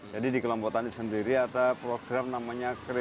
jadi di kelompok tani sendiri ada program namanya kredit yarnen